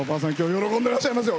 喜んでいらっしゃいますよ。